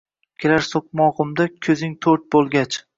Kelar so‘qmog‘imda ko‘zing to‘rt bo‘lgach